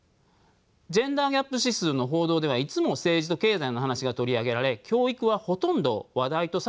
ジェンダーギャップ指数の報道ではいつも政治と経済の話が取り上げられ教育はほとんど話題とされていません。